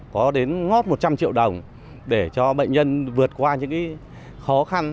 có đến ngót một trăm linh triệu đồng để cho bệnh nhân vượt qua những khó khăn